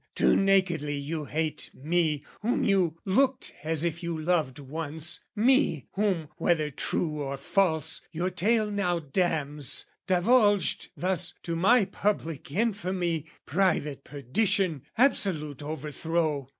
Too nakedly you hate "Me whom you looked as if you loved once, me "Whom, whether true or false, your tale now damns, "Divulged thus to my public infamy, "Private perdition, absolute overthrow.